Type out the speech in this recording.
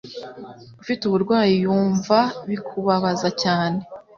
ufite uburwayi wumva bikubabaza cyane